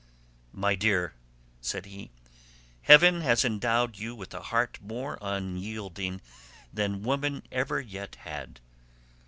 "My dear," said he, "heaven has endowed you with a heart more unyielding than woman ever yet had.